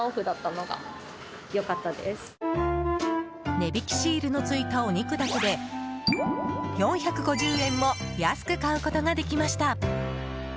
値引きシールのついたお肉だけで４５０円も安く買うことができました。